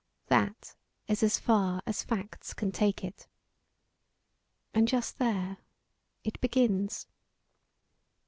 That is as far as facts can take it. And just there it begins.